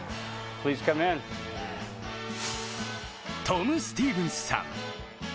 トム・スティーブンスさん。